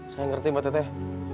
saya ngerti mbak teteh